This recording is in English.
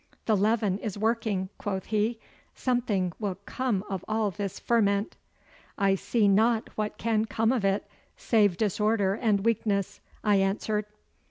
'The leaven is working,' quoth he. 'Something will come of all this ferment.' 'I see not what can come of it save disorder and weakness,' I answered.